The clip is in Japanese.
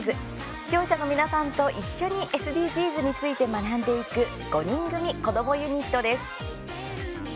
視聴者の皆さんと一緒にＳＤＧｓについて学んでいく５人組、子どもユニットです。